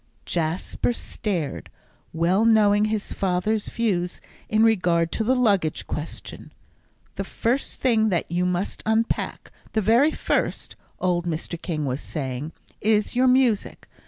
Jasper stared, well knowing his father's views in regard to the luggage question. "The first thing that you must unpack the very first," old Mr. King was saying, "is your music.